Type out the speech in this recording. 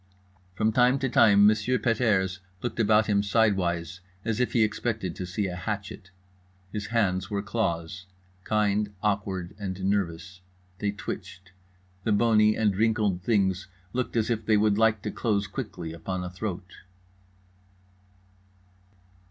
From time to time M. Pet airs looked about him sidewise as if he expected to see a hatchet. His hands were claws, kind, awkward and nervous. They twitched. The bony and wrinkled things looked as if they would like to close quickly upon a throat.